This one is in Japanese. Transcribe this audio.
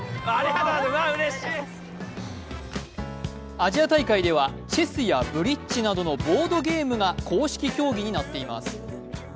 アジア大会ではチェスやブリッジなどのボードゲームが公式競技になっています。